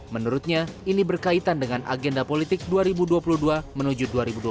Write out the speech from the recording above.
menurutnya ini berkaitan dengan agenda politik dua ribu dua puluh dua menuju dua ribu dua puluh